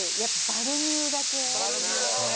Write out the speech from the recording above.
「バルミューダね」